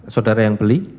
saudara yang beli